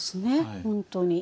本当に。